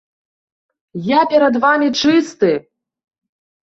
Я перад вамі чысты!